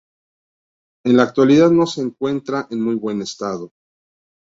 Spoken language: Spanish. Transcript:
En la actualidad no se encuentra en muy buen estado.